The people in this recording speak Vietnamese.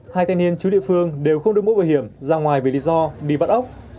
hai thanh niên chú địa phương đều không được mũ bảo hiểm ra ngoài vì lý do bị bắt ốc